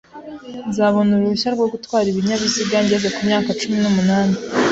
Nzabona uruhushya rwo gutwara ibinyabiziga ngeze ku myaka cumi n'umunani.